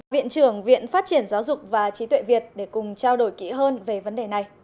viện trưởng viện phát triển giáo dục và trí tuệ việt để cùng trao đổi kỹ hơn về vấn đề này